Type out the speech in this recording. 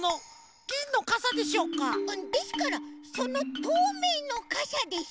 うんですからそのとうめいのかさです。